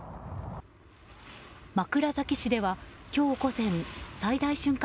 枕崎市では今日午前最大瞬間